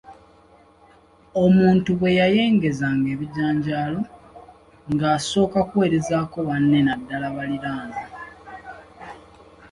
Omuntu bwe yayengezanga ebijanjaalo, ng’asooka kuweerezaako banne naddala baliraanwa.